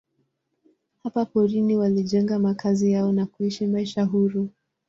Hapa porini walijenga makazi yao na kuishi maisha huru.